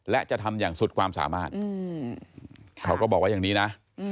และจะทำอย่างสุดความสามารถเขาก็บอกว่าอย่างนี้นะ